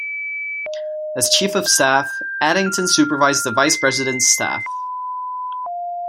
As chief of staff, Addington supervised the Vice President's staff.